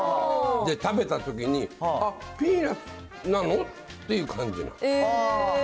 で、食べたときに、あっ、ピーナッツなの？っていう感じ。